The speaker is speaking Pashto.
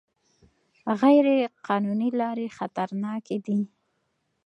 غیر قانوني لارې خطرناکې دي.